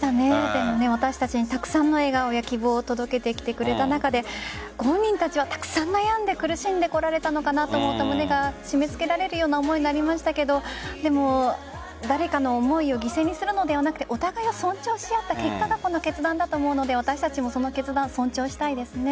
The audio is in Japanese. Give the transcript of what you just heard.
でも私たちにたくさんの笑顔や希望を届けてくれた中で本人たちはたくさん悩んで苦しんでこられたのかなと思うと胸が締め付けられるような思いになりましたが誰かの思いを犠牲にするのではなくお互いを尊重し合った結果がこの決断だと思うので私たちもその決断を尊重したいですね。